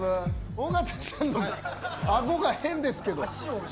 尾形さんの顎が変ですけど。